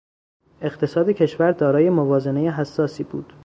اقتصاد کشور دارای موازنهی حساسی بود.